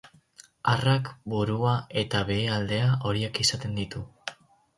Arrak burua eta behealdea horiak izaten ditu.